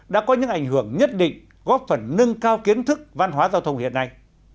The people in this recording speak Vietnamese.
đã có những ảnh hưởng nhất định góp phần nâng cao kiến thức văn hóa giao thông hiện nay